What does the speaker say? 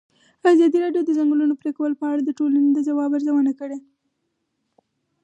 ازادي راډیو د د ځنګلونو پرېکول په اړه د ټولنې د ځواب ارزونه کړې.